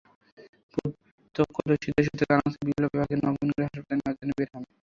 প্রত্যক্ষদর্শীদের সূত্রে জানা গেছে, বিপ্লব ইভাকে নবীনগরে হাসপাতালে নেওয়ার জন্য বের হন।